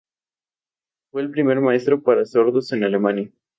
Fue el primer maestro para sordos en Alemania.